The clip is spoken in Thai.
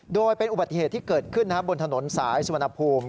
โดยเป็นอุบัติเหตุที่เกิดขึ้นบนถนนสายสุวรรณภูมิ